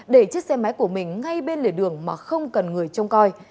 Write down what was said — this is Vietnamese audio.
để chiếc xe máy của mình ngay bên lề đường mà không cần người trông coi